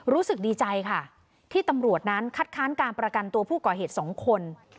รู้สึกดีใจค่ะที่ตำรวจนั้นคัดค้านการประกันตัวผู้ก่อเหตุสองคน